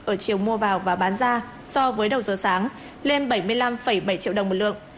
ở chiều mua vào và bán ra so với đầu giờ sáng lên bảy mươi năm bảy triệu đồng một lượng